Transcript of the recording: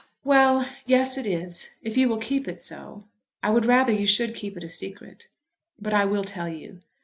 "Well; yes; it is, if you will keep it so. I would rather you should keep it a secret. But I will tell you."